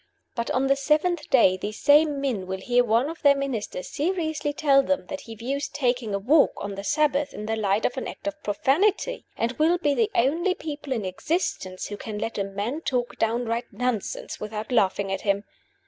But on the seventh day these same men will hear one of their ministers seriously tell them that he views taking a walk on the Sabbath in the light of an act of profanity, and will be the only people in existence who can let a man talk downright nonsense without laughing at him.